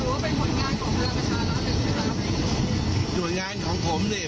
หรือว่าเป็นหน่วยงานของเวลาประชาติแล้วเนี่ย